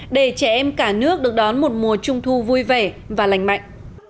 để trẻ em cả nước được đón một mùa trung thu vui vẻ và lành mạnh